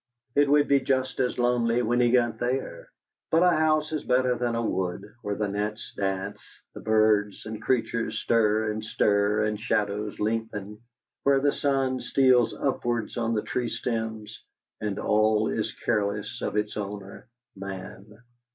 It would be just as lonely when he got there, but a house is better than a wood, where the gnats dance, the birds and creatures stir and stir, and shadows lengthen; where the sun steals upwards on the tree stems, and all is careless of its owner, Man.